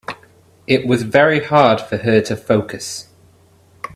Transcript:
It was very hard for her to focus.